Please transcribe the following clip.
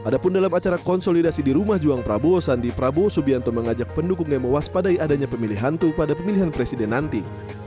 adapun dalam acara konsolidasi di rumah juang prabowo sandi prabowo subianto mengajak pendukungnya mewaspadai adanya pemilih hantu pada pemilihan presiden nanti